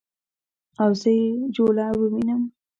او زه یې جوله ووینم